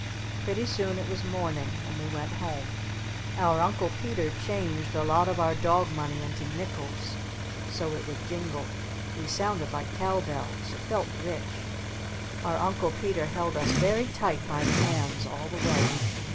Pretty soon it was morning. And we went home. Our Uncle Peter changed a lot of our dog money into nickles so it would jingle. We sounded like cow bells. It felt rich. Our Uncle Peter held us very tight by the hands all the way.